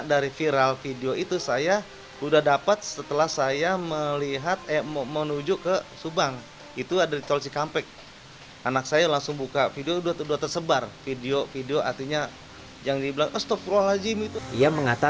kini kasus kecelakaan maut masih di tangan nepalres subang dan baru menetapkan sopirnya menjadi tersangka